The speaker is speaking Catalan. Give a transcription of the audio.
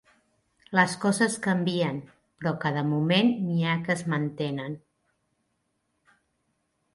Les coses canvien, però cada moment n'hi ha que es mantenen.